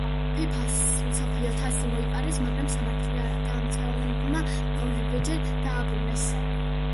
ფიფა-ს მსოფლიო თასი მოიპარეს, მაგრამ სამართალდამცველებმა ორივეჯერ დააბრუნეს.